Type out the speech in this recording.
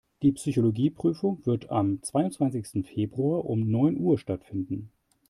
Die Psychologie-Prüfung wird am zweiundzwanzigsten Februar um neun Uhr stattfinden.